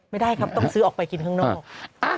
ไม่ได้ครับต้องซื้อออกไปกินข้างนอก